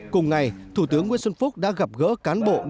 cùng ngày thủ tướng nguyễn xuân phúc đã gặp gỡ cán bộ đại sứ quán